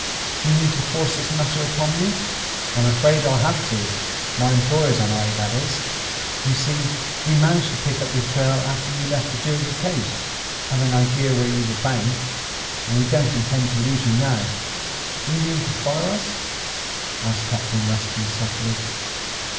Do you mean to force this matter upon me?" "I'm afraid I'll have to my employers and I, that is. You see, we managed to pick up your trail after you left the Jersey coast, having an idea where you were bound, and we don't intend to lose you now." "Do you mean to follow us?" asked Captain Weston softly.